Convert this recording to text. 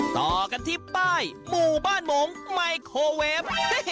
ต่อกันที่ป้ายหมู่บ้านหมงไมโครเวฟ